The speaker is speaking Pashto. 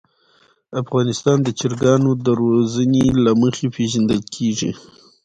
افغانستان د چرګانو د روزنې له مخې پېژندل کېږي.